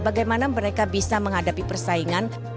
bagaimana mereka bisa menghadapi persaingan